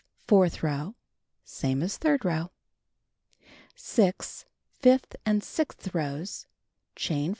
Fourth row : Same as third row. 6. Fifth and sixth rows: Chain 5.